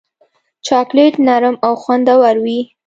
چاکلېټ نرم او خوندور وي.